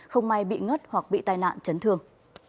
không may bị ngất hoặc bị tai nạn chấn thương